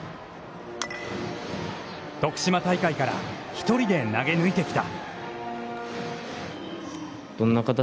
徳島大会から１人で投げ抜いてきた。